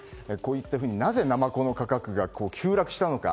なぜ、ナマコの価格が急落したのに。